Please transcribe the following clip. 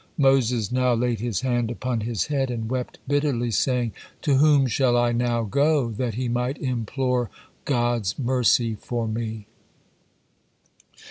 Moses now laid his hand upon his head and wept bitterly, saying, "To whom shall I now go, that he might implore God's mercy for me?"